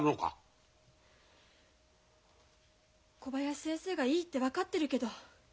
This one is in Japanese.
小林先生がいいって分かってるけど。